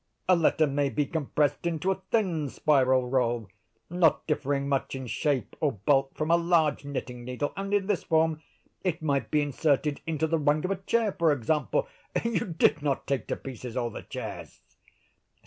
A letter may be compressed into a thin spiral roll, not differing much in shape or bulk from a large knitting needle, and in this form it might be inserted into the rung of a chair, for example. You did not take to pieces all the chairs?"